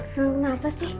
senang apa sih